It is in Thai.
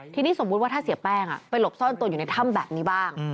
ทีนี้สมมุติว่าถ้าเสียแป้งไปหลบซ่อนตัวอยู่ในถ้ำแบบนี้บ้าง